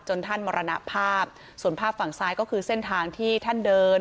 ท่านมรณภาพส่วนภาพฝั่งซ้ายก็คือเส้นทางที่ท่านเดิน